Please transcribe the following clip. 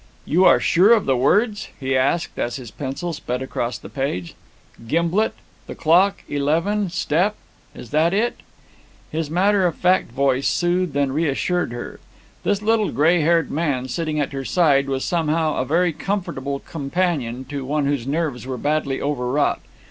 "You are sure of the words?" he asked, as his pencil sped across the page. "'Gimblet the clock eleven step,' is that it?" His matter of fact voice soothed and reassured her. This little grey haired man, sitting at her side, was somehow a very comfortable companion to one whose nerves were badly overwrought.